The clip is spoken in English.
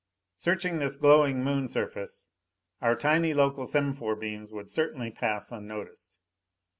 Searching this glowing Moon surface, our tiny local semaphore beams would certainly pass unnoticed.